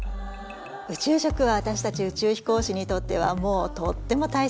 宇宙食はわたしたち宇宙飛行士にとってはもうとっても大切なものです。